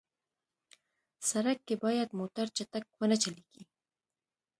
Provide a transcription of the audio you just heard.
سړک کې باید موټر چټک ونه چلېږي.